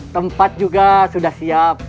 tempat juga sudah siap